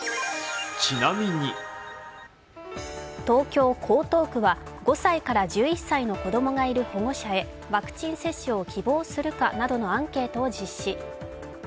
東京・江東区は５歳から１１歳の子供がいる保護者へワクチン接種を希望するかなどのアンケートを実施。